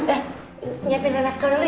eh nyiapin rena sekolah dulu ya